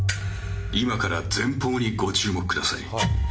今から前方にご注目ください。